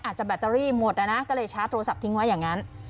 แบตเตอรี่หมดนะก็เลยชาร์จโทรศัพท์ทิ้งไว้อย่างนั้น